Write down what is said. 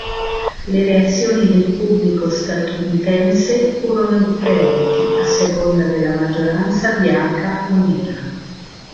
Le reazioni del pubblico statunitense furono differenti, a seconda della maggioranza bianca o nera.